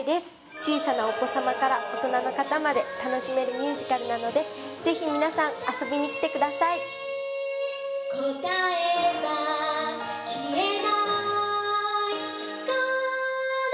小さなお子様から大人の方まで楽しめるミュージカルなのでぜひ皆さん遊びに来てください答えは消えないから